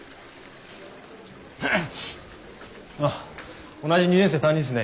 あっ同じ２年生担任ですね。